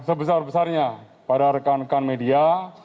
sebesar besarnya pada rekan rekan media